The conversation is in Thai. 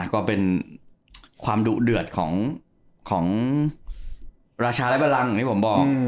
ก็เป็นความดุเดือดของราชาและบรังอย่างที่ผมบอก